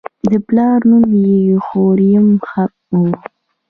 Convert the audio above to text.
د پلار نوم یې هوریم هب و.